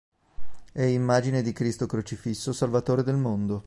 È immagine di Cristo crocifisso Salvatore del Mondo.